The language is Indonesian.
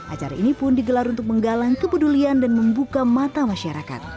acara ini pun digelar untuk menggalang kepedulian dan membuka mata masyarakat